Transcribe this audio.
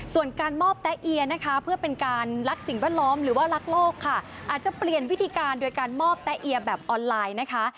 ส่วนการมอบแตะเอียนะคะเพื่อเป็นการรักสิ่งแวดล้อมหรือว่ารักโลกค่ะอาจจะเปลี่ยนวิธีการโดยการมอบแตะเอียแบบออนไลน์นะคะ